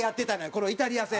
このイタリア戦。